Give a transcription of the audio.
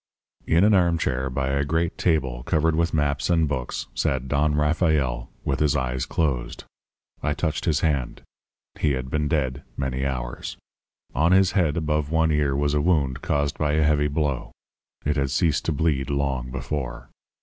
"In an armchair by a great table covered with maps and books sat Don Rafael with his eyes closed. I touched his hand. He had been dead many hours. On his head above one ear was a wound caused by a heavy blow. It had ceased to bleed long before.